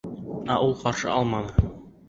Ә ул... ҡаршы алманы.